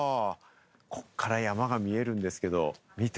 こっから山が見えるんですけれども、見て！